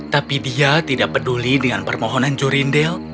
tapi dia tidak peduli dengan permohonan jurindel